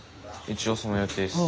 一応その予定っす。